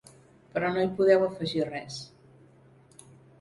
Però no hi podeu afegir res.